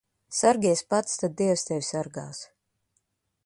Sargies pats, tad dievs tevi sargās.